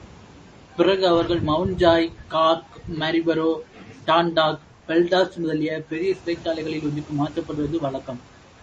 பிறகு அவர்கள் Mountjoy, Cork, Maryborough, Dundalk, Belfast முதலிய பெரிய சிறைச்சாலைகளில் ஒன்றுக்கு மாற்றப்படுவது வழக்கம்.